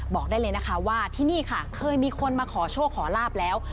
บอกได้เลยนะคะว่าที่นี่ค่ะเคยมีคนมาขอโชคขอลาบแล้ว